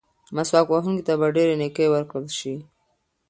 مسواک وهونکي ته به ډېرې نیکۍ ورکړل شي.